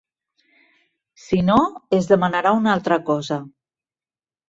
Si no, es demanarà una altra cosa.